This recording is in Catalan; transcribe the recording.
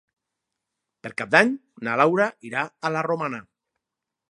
Per Cap d'Any na Laura irà a la Romana.